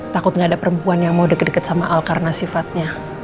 takut gak ada perempuan yang mau deket deket sama al karena sifatnya